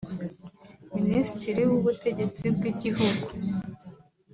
Ministiri w’ubutegetsi bw’igihugu